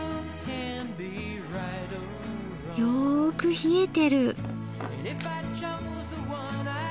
よく冷えてる。